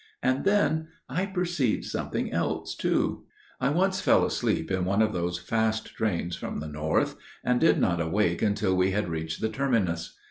And then I perceived something else too. "I once fell asleep in one of those fast trains from the north, and did not awake until we had reached the terminus.